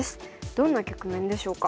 どんな局面でしょうか？